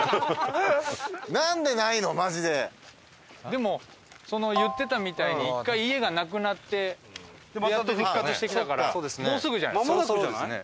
でも言ってたみたいに１回家がなくなってまた復活してきたからもうすぐじゃないですか？